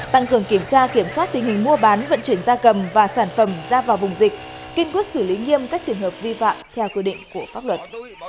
tăng cường kiểm tra kiểm soát tình hình mua bán vận chuyển gia cầm và sản phẩm ra vào vùng dịch kiên quyết xử lý nghiêm các trường hợp vi phạm theo quy định của pháp luật